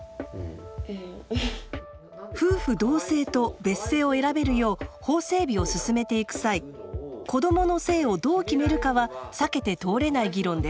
夫婦同姓と別姓を選べるよう法整備を進めていく際子どもの姓をどう決めるかは避けて通れない議論です。